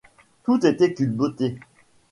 Tout était culbuté !